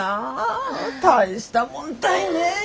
大したもんたいね。